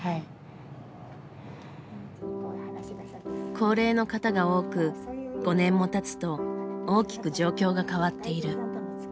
高齢の方が多く５年もたつと大きく状況が変わっている。